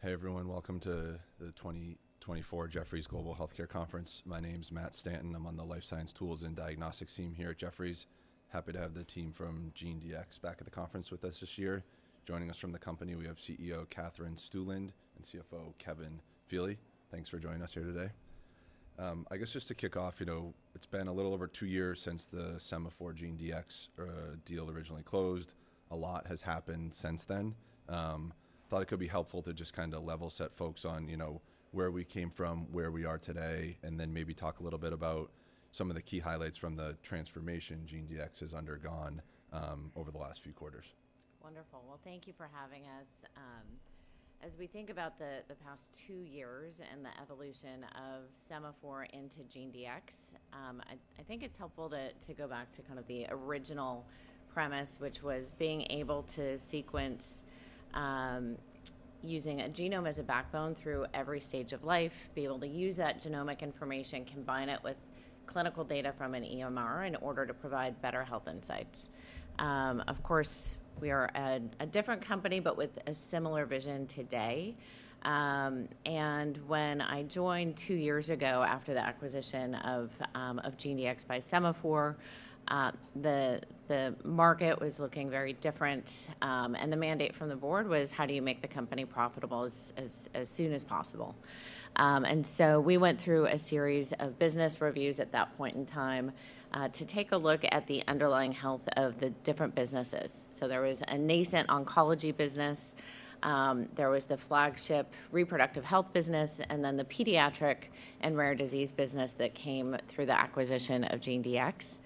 Great. Hey, everyone. Welcome to the 2024 Jefferies Global Healthcare Conference. My name's Matt Stanton. I'm on the life science tools and diagnostics team here at Jefferies. Happy to have the team from GeneDx back at the conference with us this year. Joining us from the company, we have CEO Katherine Stueland and CFO Kevin Feeley. Thanks for joining us here today. I guess just to kick off, you know, it's been a little over two years since the Sema4 GeneDx deal originally closed. A lot has happened since then. Thought it could be helpful to just kinda level set folks on, you know, where we came from, where we are today, and then maybe talk a little bit about some of the key highlights from the transformation GeneDx has undergone over the last few quarters. Wonderful. Well, thank you for having us. As we think about the past two years and the evolution of Sema4 into GeneDx, I think it's helpful to go back to kind of the original premise, which was being able to sequence using a genome as a backbone through every stage of life, be able to use that genomic information, combine it with clinical data from an EMR in order to provide better health insights. Of course, we are a different company, but with a similar vision today. And when I joined two years ago, after the acquisition of GeneDx by Sema4, the market was looking very different, and the mandate from the board was: How do you make the company profitable as soon as possible? And so we went through a series of business reviews at that point in time to take a look at the underlying health of the different businesses. So there was a nascent oncology business, there was the flagship reproductive health business, and then the pediatric and rare disease business that came through the acquisition of GeneDx.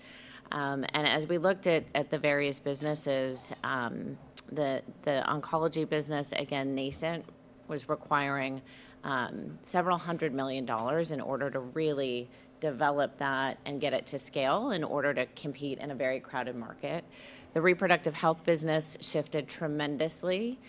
And as we looked at the various businesses, the oncology business, again, nascent, was requiring several hundred million dollars in order to really develop that and get it to scale in order to compete in a very crowded market. The reproductive health business shifted tremendously,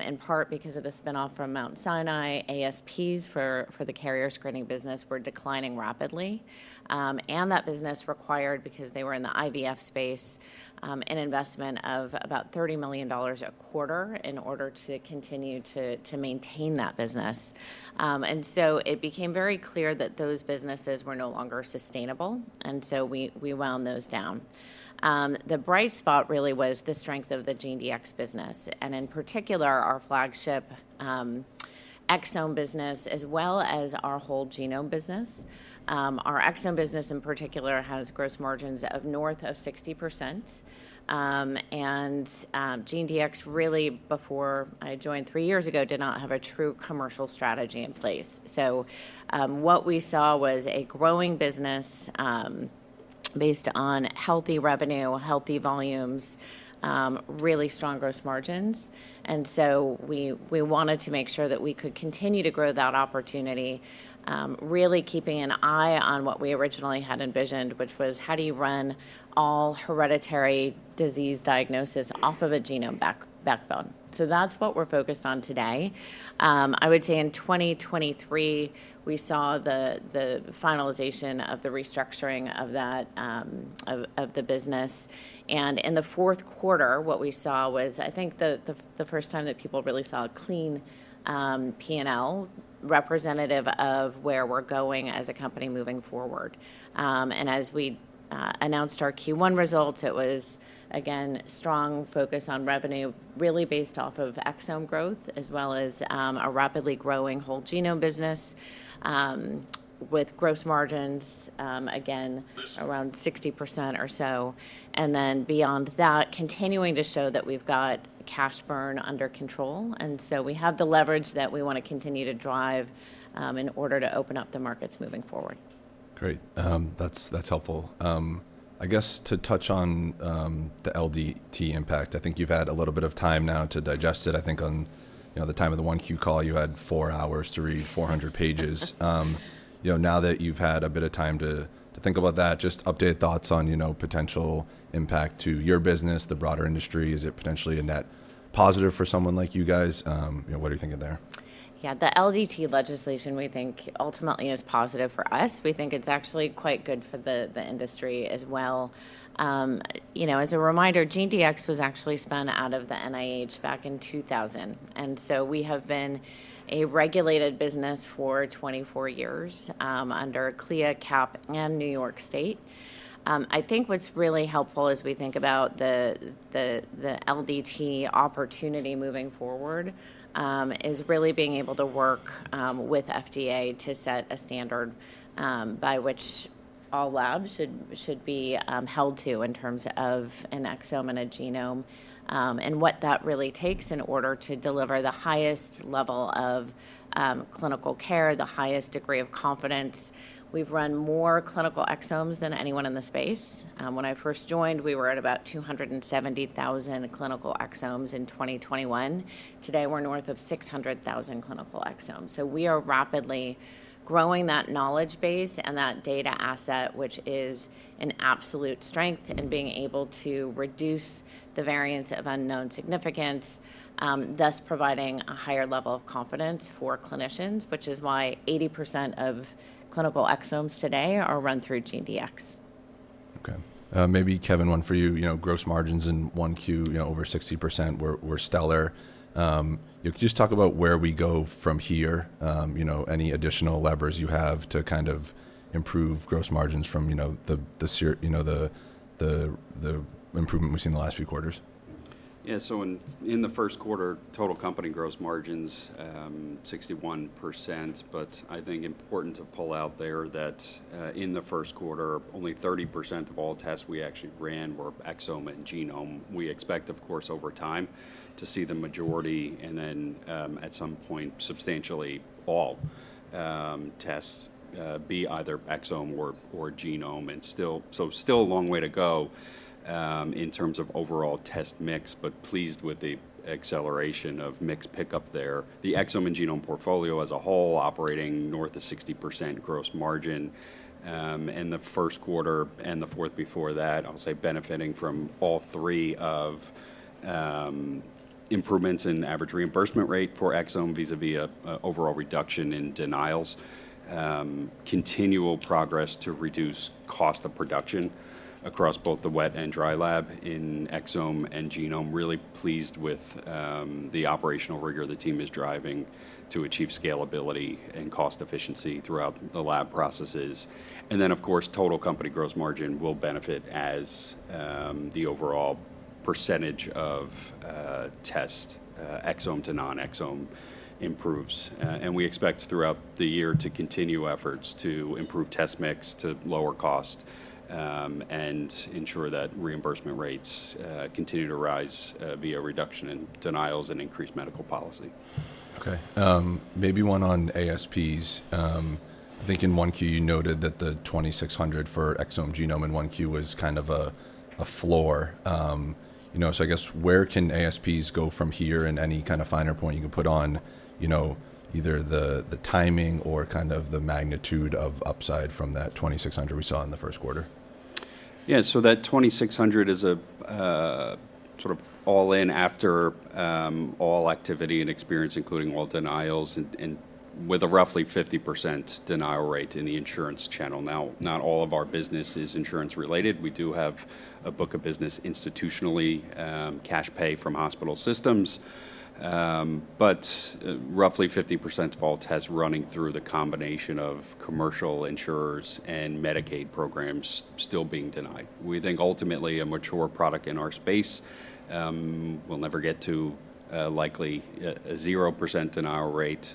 in part because of the spin-off from Mount Sinai. ASPs for the carrier screening business were declining rapidly, and that business required, because they were in the IVF space, an investment of about $30 million a quarter in order to continue to maintain that business. And so it became very clear that those businesses were no longer sustainable, and so we wound those down. The bright spot really was the strength of the GeneDx business, and in particular, our flagship exome business, as well as our whole genome business. Our exome business, in particular, has gross margins of north of 60%. And GeneDx, really, before I joined three years ago, did not have a true commercial strategy in place. So, what we saw was a growing business, based on healthy revenue, healthy volumes, really strong gross margins. And so we wanted to make sure that we could continue to grow that opportunity, really keeping an eye on what we originally had envisioned, which was: How do you run all hereditary disease diagnosis off of a genome backbone? So that's what we're focused on today. I would say in 2023, we saw the finalization of the restructuring of that, of the business, and in the fourth quarter, what we saw was, I think, the first time that people really saw a clean P&L representative of where we're going as a company moving forward. And as we announced our Q1 results, it was, again, strong focus on revenue, really based off of exome growth, as well as a rapidly growing whole genome business, with gross margins, again- Around 60% or so. Then beyond that, continuing to show that we've got cash burn under control, and so we have the leverage that we want to continue to drive, in order to open up the markets moving forward. Great. That's helpful. I guess to touch on the LDT impact, I think you've had a little bit of time now to digest it. I think on, you know, the time of the 1Q call, you had 4 hours to read 400 pages. You know, now that you've had a bit of time to think about that, just update thoughts on, you know, potential impact to your business, the broader industry. Is it potentially a net positive for someone like you guys? You know, what are you thinking there? Yeah, the LDT legislation, we think, ultimately is positive for us. We think it's actually quite good for the industry as well. You know, as a reminder, GeneDx was actually spun out of the NIH back in 2000, and so we have been a regulated business for 24 years, under CLIA, CAP, and New York State. I think what's really helpful as we think about the LDT opportunity moving forward, is really being able to work with FDA to set a standard, by which all labs should be held to in terms of an exome and a genome, and what that really takes in order to deliver the highest level of clinical care, the highest degree of confidence. We've run more clinical exomes than anyone in the space. When I first joined, we were at about 270,000 clinical exomes in 2021. Today, we're north of 600,000 clinical exomes. So we are rapidly growing that knowledge base and that data asset, which is an absolute strength in being able to reduce the variant of unknown significance, thus providing a higher level of confidence for clinicians, which is why 80% of clinical exomes today are run through GeneDx. Okay, maybe Kevin, one for you. You know, gross margins in 1Q, you know, over 60% were stellar. Can you just talk about where we go from here? You know, any additional levers you have to kind of improve gross margins from, you know, the improvement we've seen in the last few quarters? Yeah, so in the first quarter, total company gross margins, 61%. But I think important to pull out there that, in the first quarter, only 30% of all tests we actually ran were exome and genome. We expect, of course, over time, to see the majority, and then, at some point, substantially all, tests, be either exome or genome. And still-- so still a long way to go, in terms of overall test mix, but pleased with the acceleration of mix pick up there. The exome and genome portfolio as a whole, operating north of 60% gross margin, in the first quarter and the fourth before that. I would say benefiting from all three of, improvements in average reimbursement rate for exome, vis-à-vis, overall reduction in denials. Continual progress to reduce cost of production across both the wet and dry lab in exome and genome. Really pleased with the operational rigor the team is driving to achieve scalability and cost efficiency throughout the lab processes. And then, of course, total company gross margin will benefit as the overall percentage of test exome to non-exome improves. And we expect throughout the year to continue efforts to improve test mix, to lower cost, and ensure that reimbursement rates continue to rise via reduction in denials and increased medical policy. Okay, maybe one on ASPs. I think in 1Q, you noted that the $2,600 for exome, genome in 1Q was kind of a floor. You know, so I guess where can ASPs go from here? And any kind of finer point you can put on, you know, either the timing or kind of the magnitude of upside from that $2,600 we saw in the first quarter? Yeah, so that $2,600 is a sort of all in after all activity and experience, including all denials, and, and with a roughly 50% denial rate in the insurance channel. Now, not all of our business is insurance-related. We do have a book of business institutionally, cash pay from hospital systems. But, roughly 50% of all tests running through the combination of commercial insurers and Medicaid programs still being denied. We think ultimately, a mature product in our space, will never get to likely a 0% denial rate,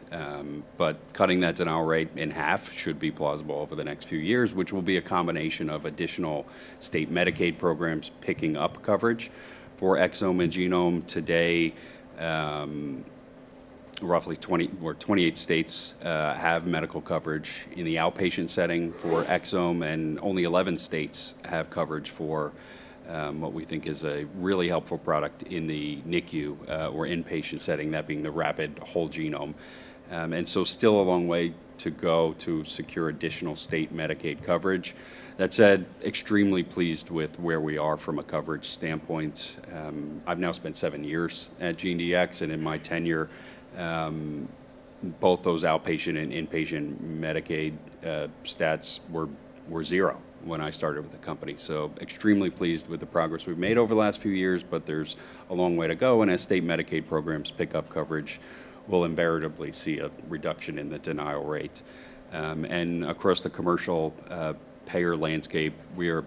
but cutting that denial rate in half should be plausible over the next few years, which will be a combination of additional state Medicaid programs picking up coverage for exome and genome. Today, roughly 28 states have medical coverage in the outpatient setting for exome, and only 11 states have coverage for what we think is a really helpful product in the NICU or inpatient setting, that being the Rapid Whole Genome. So still a long way to go to secure additional state Medicaid coverage. That said, extremely pleased with where we are from a coverage standpoint. I've now spent seven years at GeneDx, and in my tenure, both those outpatient and inpatient Medicaid stats were zero when I started with the company. So extremely pleased with the progress we've made over the last few years, but there's a long way to go. And as state Medicaid programs pick up coverage, we'll invariably see a reduction in the denial rate. And across the commercial payer landscape, we are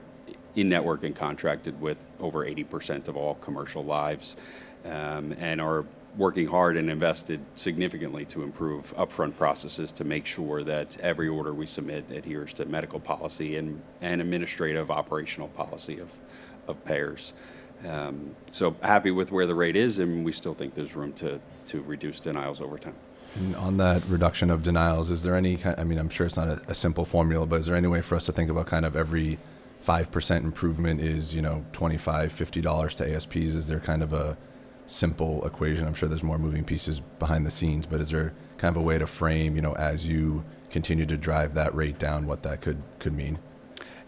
in-network and contracted with over 80% of all commercial lives, and are working hard and invested significantly to improve upfront processes to make sure that every order we submit adheres to medical policy and administrative operational policy of payers. So happy with where the rate is, and we still think there's room to reduce denials over time. On that reduction of denials, is there any, I mean, I'm sure it's not a simple formula, but is there any way for us to think about kind of every 5% improvement is, you know, $25, $50 to ASPs? Is there kind of a simple equation? I'm sure there's more moving pieces behind the scenes, but is there kind of a way to frame, you know, as you continue to drive that rate down, what that could mean?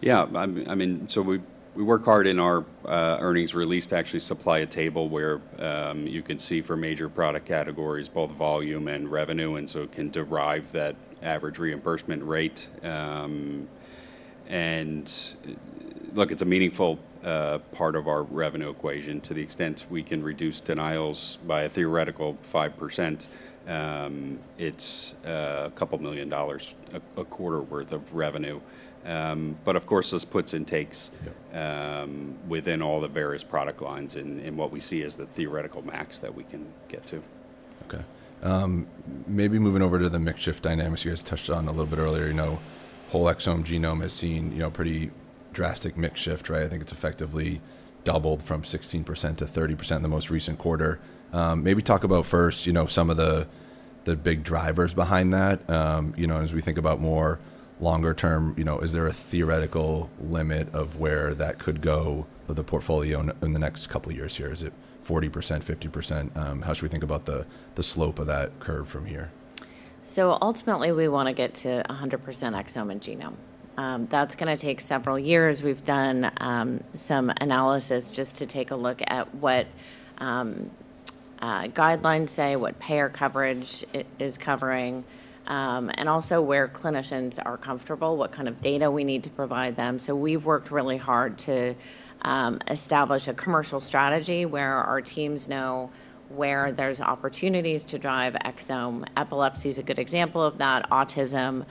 Yeah. I mean, so we work hard in our earnings release to actually supply a table where you can see for major product categories, both volume and revenue, and so it can derive that average reimbursement rate. And, look, it's a meaningful part of our revenue equation. To the extent we can reduce denials by a theoretical 5%, it's $2 million a quarter worth of revenue. But of course, this puts and takes- Yeah within all the various product lines and what we see as the theoretical max that we can get to. Okay. Maybe moving over to the mix shift dynamics you guys touched on a little bit earlier. You know, whole exome, genome has seen, you know, pretty drastic mix shift, right? I think it's effectively doubled from 16% to 30% in the most recent quarter. Maybe talk about first, you know, some of the, the big drivers behind that. You know, as we think about more longer term, you know, is there a theoretical limit of where that could go with the portfolio in, in the next couple of years here? Is it 40%, 50%? How should we think about the, the slope of that curve from here? Ultimately, we want to get to 100% exome and genome. That's going to take several years. We've done some analysis just to take a look at what guidelines say, what payer coverage it is covering, and also where clinicians are comfortable, what kind of data we need to provide them. We've worked really hard to establish a commercial strategy where our teams know where there's opportunities to drive exome. Epilepsy is a good example of that, autism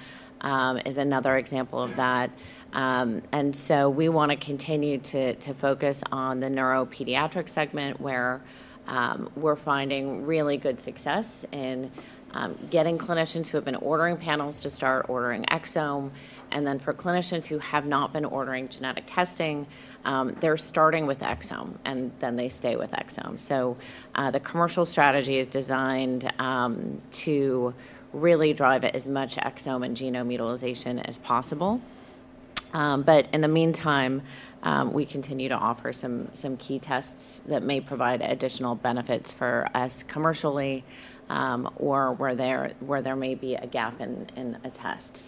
is another example of that. And so we want to continue to focus on the neuropediatric segment, where we're finding really good success in getting clinicians who have been ordering panels to start ordering exome. Then for clinicians who have not been ordering genetic testing, they're starting with exome, and then they stay with exome. The commercial strategy is designed to really drive as much exome and genome utilization as possible. But in the meantime, we continue to offer some key tests that may provide additional benefits for us commercially, or where there may be a gap in a test.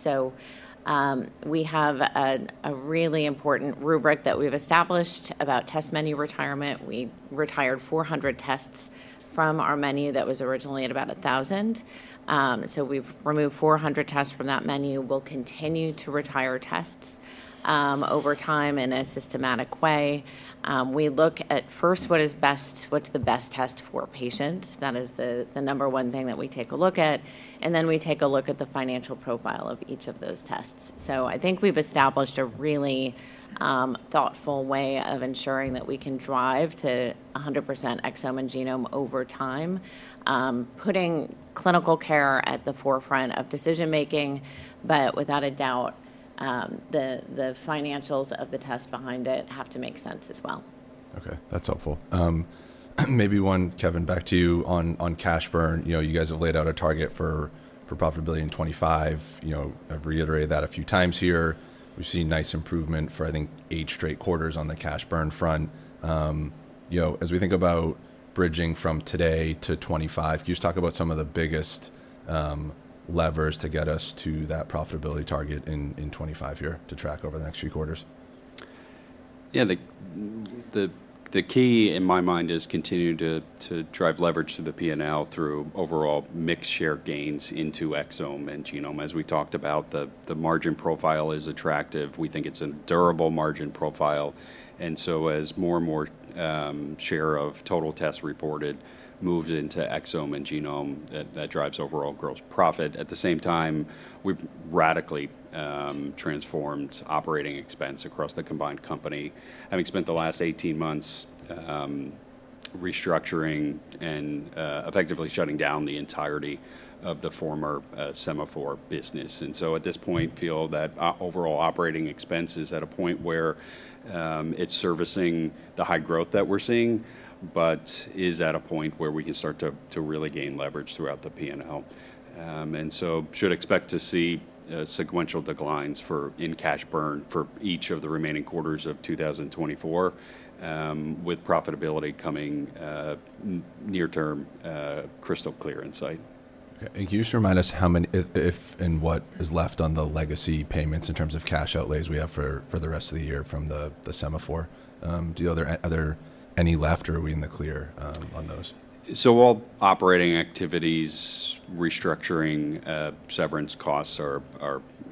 We have a really important rubric that we've established about test menu retirement. We retired 400 tests from our menu that was originally at about 1,000. So we've removed 400 tests from that menu. We'll continue to retire tests over time in a systematic way. We look at first what is best, what's the best test for patients? That is the number one thing that we take a look at. Then we take a look at the financial profile of each of those tests. So I think we've established a really, thoughtful way of ensuring that we can drive to 100% exome and genome over time, putting clinical care at the forefront of decision-making, but without a doubt, the financials of the test behind it have to make sense as well. Okay, that's helpful. Maybe one, Kevin, back to you on cash burn. You know, you guys have laid out a target for profitability in 2025. You know, I've reiterated that a few times here. We've seen nice improvement for, I think, eight straight quarters on the cash burn front. You know, as we think about bridging from today to 2025, can you just talk about some of the biggest levers to get us to that profitability target in 2025 year to track over the next few quarters? Yeah, the key in my mind is continuing to drive leverage to the P&L through overall mix share gains into exome and genome. As we talked about, the margin profile is attractive. We think it's a durable margin profile. And so as more and more share of total tests reported moves into exome and genome, that drives overall gross profit. At the same time, we've radically transformed operating expense across the combined company, having spent the last 18 months restructuring and effectively shutting down the entirety of the former Sema4 business. And so at this point, feel that our overall operating expense is at a point where it's servicing the high growth that we're seeing, but is at a point where we can start to really gain leverage throughout the P&L. So, should expect to see sequential declines in cash burn for each of the remaining quarters of 2024, with profitability coming near term, crystal clear in sight. Okay, and can you just remind us how many, if any, and what is left on the legacy payments in terms of cash outlays we have for the rest of the year from the Sema4? Are there any left, or are we in the clear on those? So all operating activities, restructuring, severance costs are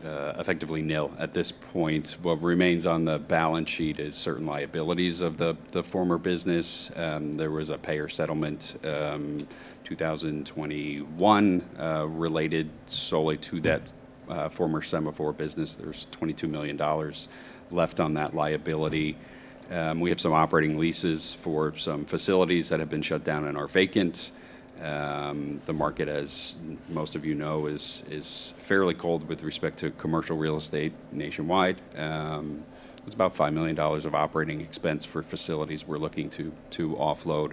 effectively nil at this point. What remains on the balance sheet is certain liabilities of the former business. There was a payer settlement, 2021, related solely to that former Sema4 business. There's $22 million left on that liability. We have some operating leases for some facilities that have been shut down and are vacant. The market, as most of you know, is fairly cold with respect to commercial real estate nationwide. It's about $5 million of operating expense for facilities we're looking to offload,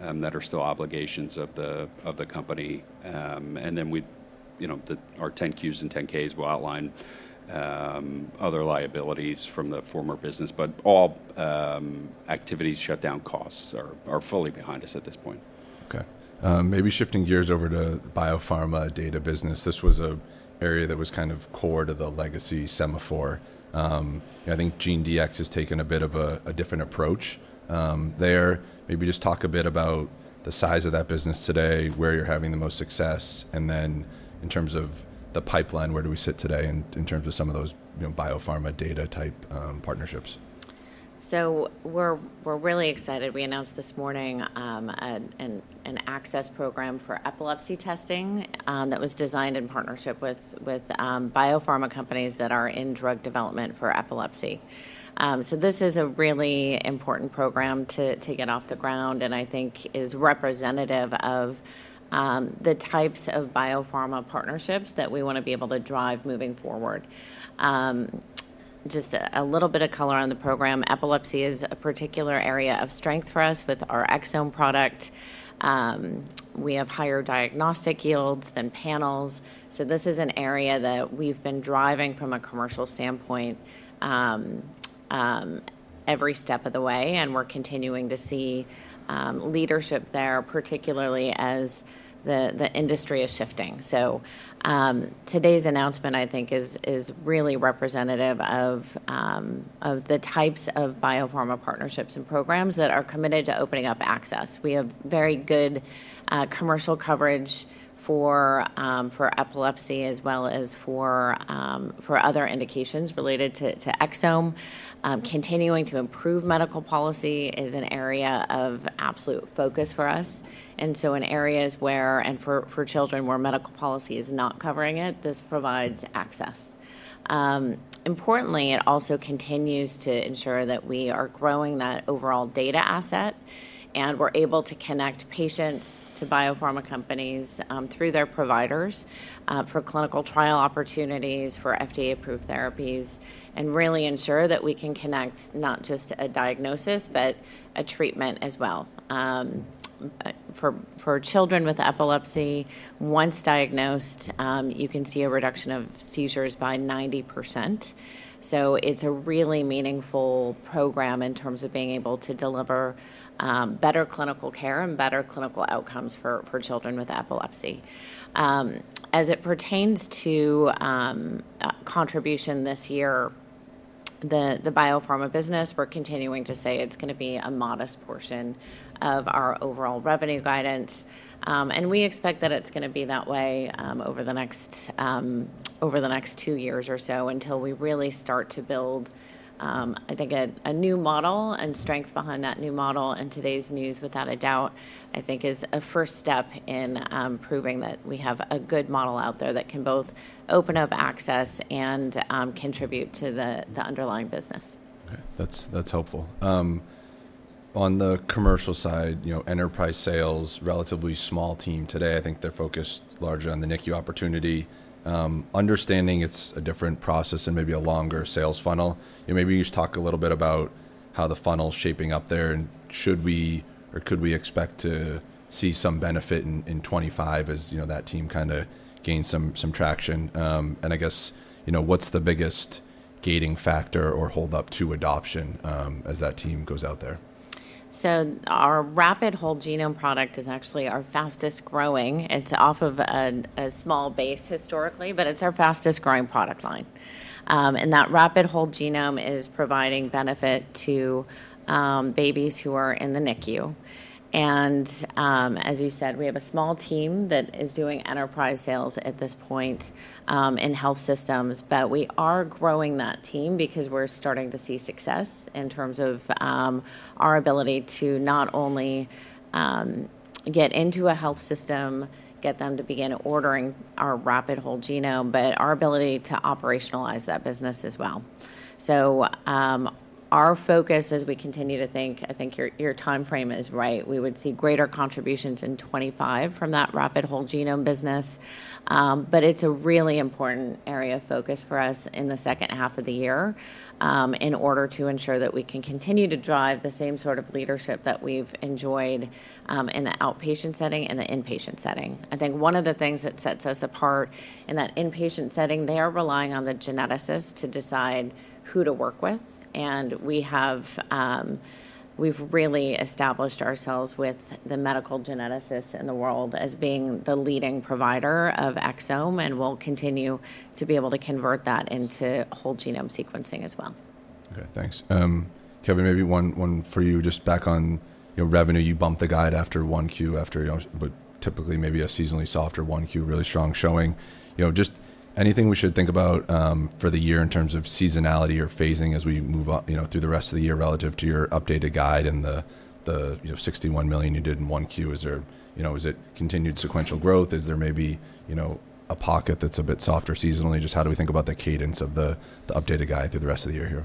that are still obligations of the company. We, you know, our 10-Qs and 10-Ks will outline other liabilities from the former business, but all activities shut down, costs are fully behind us at this point. Okay. Maybe shifting gears over to the biopharma data business. This was an area that was kind of core to the legacy Sema4. I think GeneDx has taken a bit of a different approach there. Maybe just talk a bit about the size of that business today, where you're having the most success, and then in terms of the pipeline, where do we sit today in terms of some of those, you know, biopharma data-type partnerships? So we're really excited. We announced this morning an access program for epilepsy testing that was designed in partnership with biopharma companies that are in drug development for epilepsy. So this is a really important program to get off the ground, and I think is representative of the types of biopharma partnerships that we want to be able to drive moving forward. Just a little bit of color on the program. Epilepsy is a particular area of strength for us with our exome product. We have higher diagnostic yields than panels, so this is an area that we've been driving from a commercial standpoint every step of the way, and we're continuing to see leadership there, particularly as the industry is shifting. So, today's announcement, I think, is really representative of the types of biopharma partnerships and programs that are committed to opening up access. We have very good commercial coverage for epilepsy, as well as for other indications related to exome. Continuing to improve medical policy is an area of absolute focus for us, and so in areas where and for children, where medical policy is not covering it, this provides access. Importantly, it also continues to ensure that we are growing that overall data asset, and we're able to connect patients to biopharma companies through their providers for clinical trial opportunities, for FDA-approved therapies, and really ensure that we can connect not just a diagnosis, but a treatment as well. For children with epilepsy, once diagnosed, you can see a reduction of seizures by 90%. So it's a really meaningful program in terms of being able to deliver better clinical care and better clinical outcomes for children with epilepsy. As it pertains to contribution this year, the biopharma business, we're continuing to say it's gonna be a modest portion of our overall revenue guidance, and we expect that it's gonna be that way over the next two years or so until we really start to build, I think a new model and strength behind that new model. Today's news, without a doubt, I think, is a first step in proving that we have a good model out there that can both open up access and contribute to the underlying business. Okay, that's helpful. On the commercial side, you know, enterprise sales, relatively small team today. I think they're focused largely on the NICU opportunity. Understanding it's a different process and maybe a longer sales funnel, can maybe just talk a little bit about how the funnel's shaping up there, and should we or could we expect to see some benefit in 2025, as you know, that team kinda gains some traction? And I guess, you know, what's the biggest gating factor or hold-up to adoption, as that team goes out there? So our Rapid Whole Genome product is actually our fastest-growing. It's off of a small base historically, but it's our fastest-growing product line. And that Rapid Whole Genome is providing benefit to babies who are in the NICU. And, as you said, we have a small team that is doing enterprise sales at this point in health systems. But we are growing that team because we're starting to see success in terms of our ability to not only get into a health system, get them to begin ordering our Rapid Whole Genome, but our ability to operationalize that business as well. So, our focus as we continue to think. I think your timeframe is right. We would see greater contributions in 2025 from that Rapid Whole Genome business, but it's a really important area of focus for us in the second half of the year, in order to ensure that we can continue to drive the same sort of leadership that we've enjoyed, in the outpatient setting and the inpatient setting. I think one of the things that sets us apart in that inpatient setting, they are relying on the geneticist to decide who to work with, and we've really established ourselves with the medical geneticists in the world as being the leading provider of exome, and we'll continue to be able to convert that into whole genome sequencing as well. Okay, thanks. Kevin, maybe one for you. Just back on your revenue, you bumped the guide after 1Q, well, typically, maybe a seasonally softer 1Q, really strong showing. You know, just anything we should think about for the year in terms of seasonality or phasing as we move up, you know, through the rest of the year, relative to your updated guide and the you know, $61 million you did in 1Q? Is there. You know, is it continued sequential growth? Is there maybe, you know, a pocket that's a bit softer seasonally? Just how do we think about the cadence of the updated guide through the rest of the year here?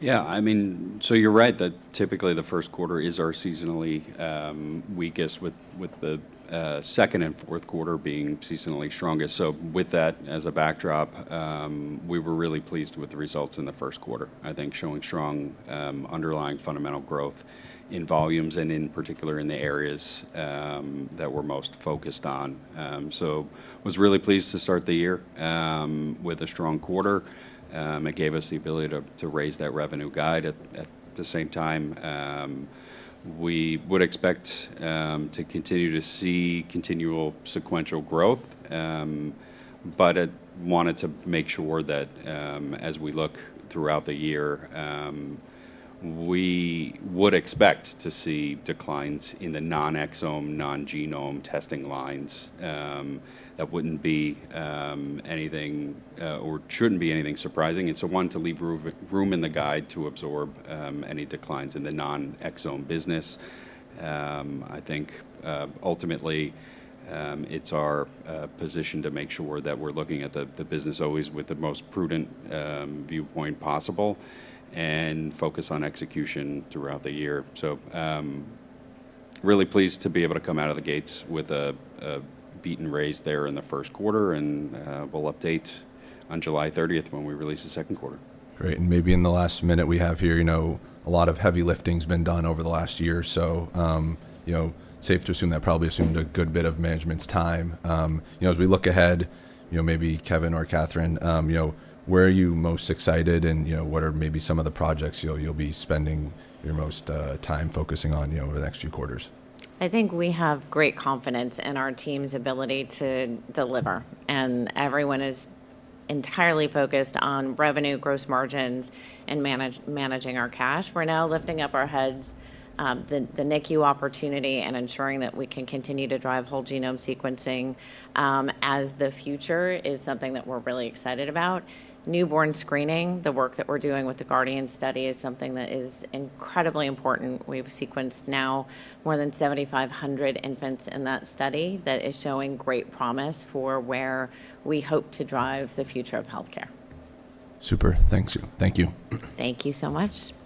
Yeah, I mean, so you're right that typically, the first quarter is our seasonally weakest, with the second and fourth quarter being seasonally strongest. So with that as a backdrop, we were really pleased with the results in the first quarter. I think showing strong, underlying fundamental growth in volumes, and in particular, in the areas that we're most focused on. So was really pleased to start the year, with a strong quarter. It gave us the ability to raise that revenue guide. At the same time, we would expect to continue to see continual sequential growth. But I wanted to make sure that, as we look throughout the year, we would expect to see declines in the non-exome, non-genome testing lines. That wouldn't be anything, or shouldn't be anything surprising. And so we want to leave room in the guide to absorb any declines in the non-exome business. I think ultimately it's our position to make sure that we're looking at the business always with the most prudent viewpoint possible and focus on execution throughout the year. So really pleased to be able to come out of the gates with a beat and raise there in the first quarter, and we'll update on July thirtieth when we release the second quarter. Great. Maybe in the last minute we have here, you know, a lot of heavy lifting's been done over the last year, so, you know, safe to assume that probably assumed a good bit of management's time. You know, as we look ahead, you know, maybe Kevin or Katherine, you know, where are you most excited, and, you know, what are maybe some of the projects you'll be spending your most time focusing on, you know, over the next few quarters? I think we have great confidence in our team's ability to deliver, and everyone is entirely focused on revenue, gross margins, and managing our cash. We're now lifting up our heads. The NICU opportunity and ensuring that we can continue to drive whole genome sequencing as the future is something that we're really excited about. Newborn screening, the work that we're doing with the GUARDIAN study, is something that is incredibly important. We've sequenced now more than 7,500 infants in that study. That is showing great promise for where we hope to drive the future of healthcare. Super. Thank you. Thank you. Thank you so much.